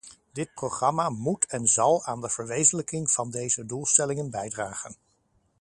Dit programma moet en zal aan de verwezenlijking van deze doelstellingen bijdragen.